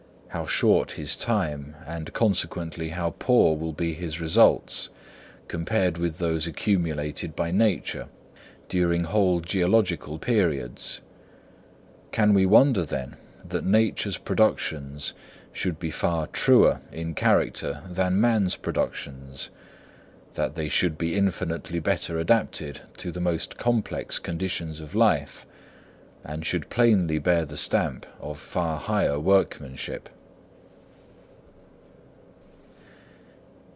How short his time, and consequently how poor will be his results, compared with those accumulated by Nature during whole geological periods! Can we wonder, then, that Nature's productions should be far "truer" in character than man's productions; that they should be infinitely better adapted to the most complex conditions of life, and should plainly bear the stamp of far higher workmanship?